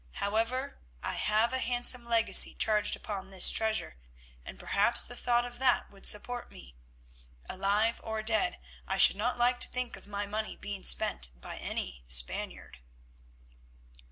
However, I have a handsome legacy charged upon this treasure, and perhaps the thought of that would support me. Alive or dead, I should not like to think of my money being spent by any Spaniard."